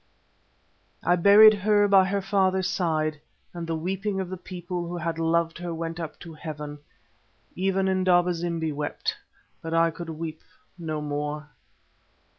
I buried her by her father's side, and the weeping of the people who had loved her went up to heaven. Even Indaba zimbi wept, but I could weep no more.